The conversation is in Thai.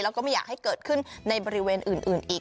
แล้วก็ไม่อยากให้เกิดขึ้นในบริเวณอื่นอีก